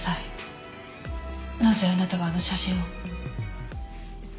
なぜあなたがあの写真を？